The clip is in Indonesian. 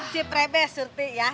sip rebe surti ya